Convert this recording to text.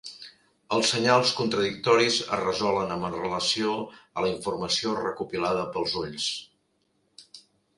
Els senyals contradictoris es resolen amb relació a la informació recopilada pels ulls.